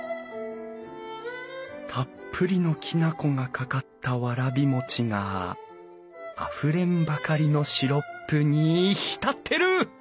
たっぷりのきな粉がかかったわらび餅があふれんばかりのシロップに浸ってる！